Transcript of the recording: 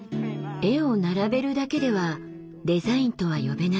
絵を並べるだけではデザインとは呼べない。